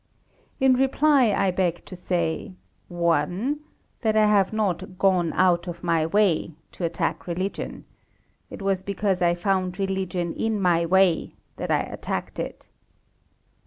In reply I beg to say: 1. That I have not "gone out of my way" to attack religion. It was because I found religion in my way that I attacked it.